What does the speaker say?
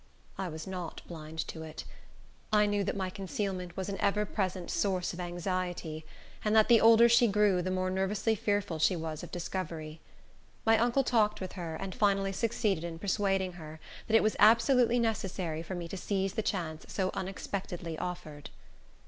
I was not blind to it. I knew that my concealment was an ever present source of anxiety, and that the older she grew the more nervously fearful she was of discovery. My uncle talked with her, and finally succeeded in persuading her that it was absolutely necessary for me to seize the chance so unexpectedly offered.